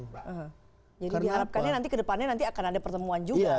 jadi diharapkan nanti ke depannya akan ada pertemuan juga